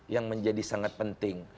yang menjadi sangat penting